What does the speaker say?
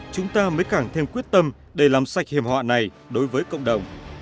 chúng ta mới càng thêm quyết tâm để làm sạch hiểm họa này đối với cộng đồng